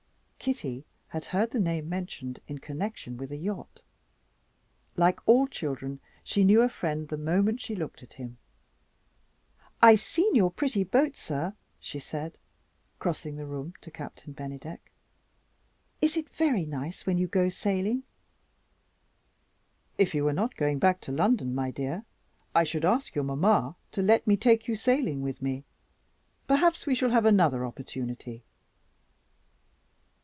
Kitty had heard the name mentioned in connection with a yacht. Like all children, she knew a friend the moment she looked at him. "I've seen your pretty boat, sir," she said, crossing the room to Captain Bennydeck. "Is it very nice when you go sailing?" "If you were not going back to London, my dear, I should ask your mamma to let me take you sailing with me. Perhaps we shall have another opportunity."